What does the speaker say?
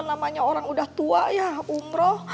namanya orang udah tua ya umroh